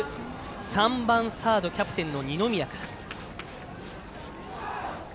３番サードキャプテンの二宮から。